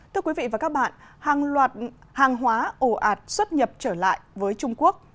thưa quý vị và các bạn hàng loạt hàng hóa ồ ạt xuất nhập trở lại với trung quốc